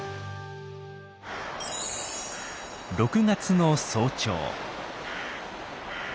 ６月の早朝。